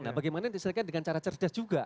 nah bagaimana diselesaikan dengan cara cerdas juga